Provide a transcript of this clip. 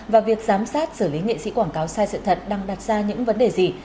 và việc giám sát xử lý nghệ sĩ quảng cáo sai sự thật đang đặt ra những vấn đề gì